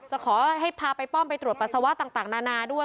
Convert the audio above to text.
จะขอให้พาไปป้อมไปตรวจปัสสาวะต่างนานาด้วย